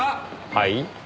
はい？